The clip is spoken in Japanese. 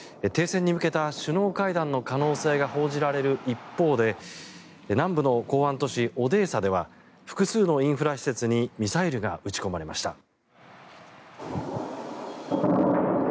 停戦に向けた首脳会談の可能性が報じられる一方で南部の港湾都市オデーサでは複数のインフラ施設にミサイルが撃ち込まれました。